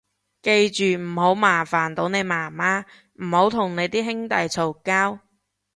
記住唔好麻煩到你媽媽，唔好同你啲兄弟嘈交